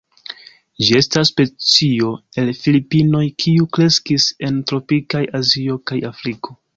Ĝi estas specio el Filipinoj, kiu kreskis en tropikaj Azio kaj Afriko.